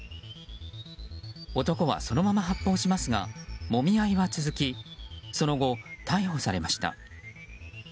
男は、そのまま発砲しますがもみ合いは続きその後、逮捕されました。